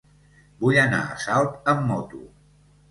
Vull anar a Salt amb moto.